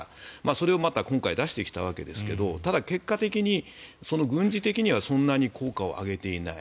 それをまた今回出してきたわけですけどただ、結果的に軍事的にはそんなに効果を上げていない。